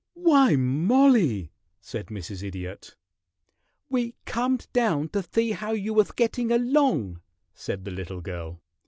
"Why, Mollie!" said Mrs. Idiot. "We comed down to thee how you wath gettin' along," said the little girl.